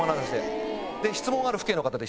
「質問がある父兄の方」で。